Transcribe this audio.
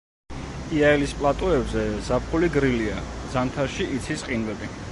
იაილის პლატოებზე ზაფხული გრილია, ზამთარში იცის ყინვები.